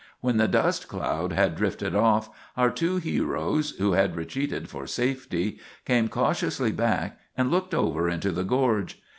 When the dust cloud had drifted off, our two heroes, who had retreated for safety, came cautiously back and looked over into the gorge.